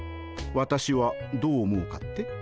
私はどう思うかって？